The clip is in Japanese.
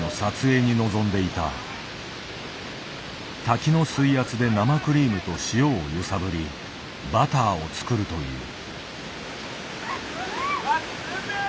滝の水圧で生クリームと塩を揺さぶりバターを作るという。